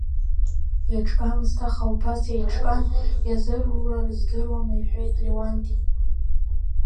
Еиҿкаамызт, аха убас еиҿкаан, иазырура рыздыруам, — иҳәеит Леуанти.